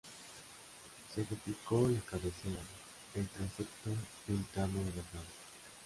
Se edificó la cabecera, el transepto y un tramo de las naves.